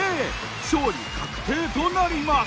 勝利確定となります。